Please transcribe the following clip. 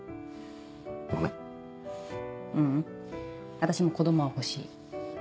私も子供は欲しい。